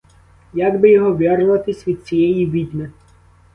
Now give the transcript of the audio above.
Як би його вирватись від цієї відьми?